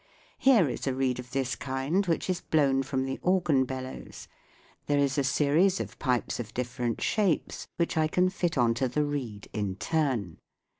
Here is a reed of this kind, which is blown from the organ bellows : there is a series of pipes of different shapes which I can fit on to the reed in turn.